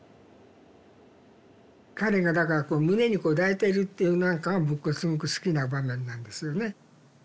彼がだからこう胸にこう抱いてるっていうのなんかは僕はすごく好きな場面なんですよね。